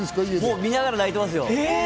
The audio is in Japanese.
見ながら泣いてますよ。